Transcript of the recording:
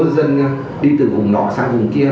dân đi từ vùng nọ sang vùng kia